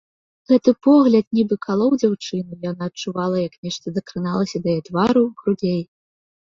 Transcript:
Гэты погляд нібы калоў дзяўчыну, яна адчувала, як нешта дакраналася да яе твару, грудзей.